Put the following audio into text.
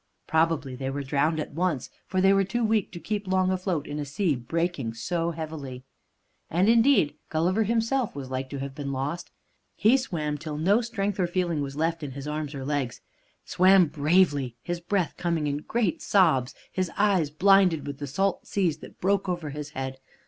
Probably they were drowned at once, for they were too weak to keep long afloat in a sea breaking so heavily. And indeed, Gulliver himself was like to have been lost. He swam till no strength or feeling was left in his arms and legs, swam bravely, his breath coming in great sobs, his eyes blinded with the salt seas that broke over his head.